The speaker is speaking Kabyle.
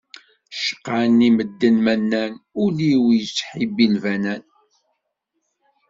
Cqan-i medden ma nnan, ul-iw yettḥibbi lbanan.